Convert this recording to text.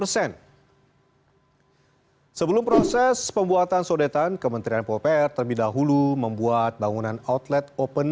sebelum proses pembuatan sodetan kementerian popr terlebih dahulu membuat bangunan outlet open